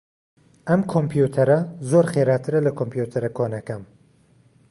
ئەم کۆمپیوتەرە زۆر خێراترە لە کۆمپیوتەرە کۆنەکەم.